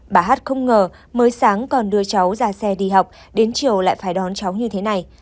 bà hát không ngờ mới sáng còn đưa cháu ra xe đi học đến chiều lại phải đón cháu như thế này